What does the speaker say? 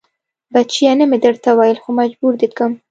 بچيه نه مې درته ويل خو مجبور دې کم.